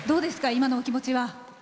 今のお気持ちは。